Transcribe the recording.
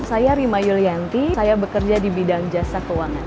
saya rima yulianti saya bekerja di bidang jasa keuangan